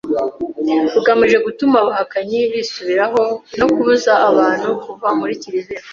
rugamije gutuma abahakanyi bisubiraho no kubuza abantu kuva muri kiliziya